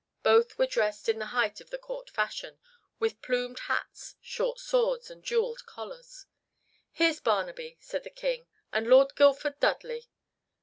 Both were dressed in the height of the court fashion, with plumed hats, short swords, and jeweled collars. "Here's Barnaby," said the king, "and Lord Guildford Dudley.